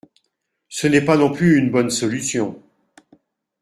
Ce n’est pas non plus une bonne solution.